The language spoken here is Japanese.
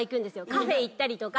カフェ行ったりとか。